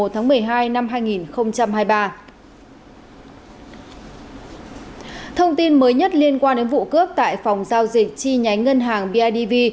thông tin mới nhất liên quan đến vụ cướp tại phòng giao dịch chi nhánh ngân hàng bidv